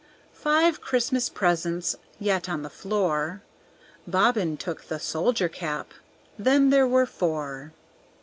Five Christmas presents yet on the floor; Bobbin took the soldier cap, then there were four.